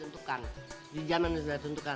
dan di jam yang sudah ditentukan